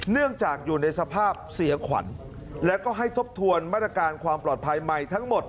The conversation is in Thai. เนื่องจากอยู่ในสภาพเสียขวัญแล้วก็ให้ทบทวนมาตรการความปลอดภัยใหม่ทั้งหมด